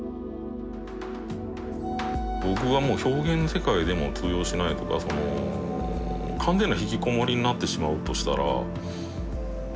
ぼくはもう表現世界でも通用しないとか完全な引きこもりになってしまうとしたら社会的な死なんですよね。